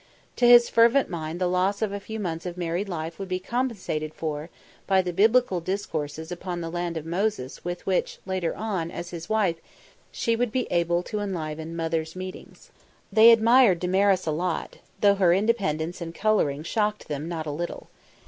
To his fervent mind the loss of a few months of married life would be compensated for by the biblical discourses upon the Land of Moses with which, later on, as his wife, she would be able to enliven Mother's Meetings. They admired Damaris a lot, though her independence and colouring shocked them not a little.